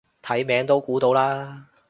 睇名都估到啦